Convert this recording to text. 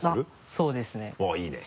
そうですね。